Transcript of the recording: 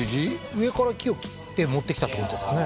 上から木を切って持ってきたってことですかね